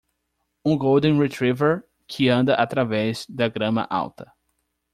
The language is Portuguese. Um golden retriever que anda através da grama alta.